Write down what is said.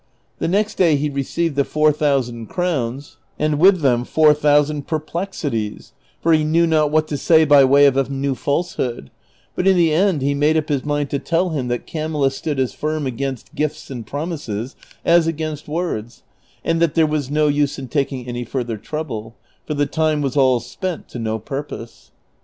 ' The next day he received the four tliousand crowns, and with them four thousand perplexities, for he knew not what to say by way of a new f:ilseho(xl ; but in tlie end he made up his mind to tell him that Camilla stood as firm against gifts and promises as against words, and that there was no us° in takino any further trouble, for the time was all spent to no purpose.